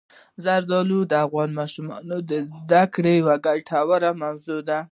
زردالو د افغان ماشومانو د زده کړې یوه ګټوره موضوع ده.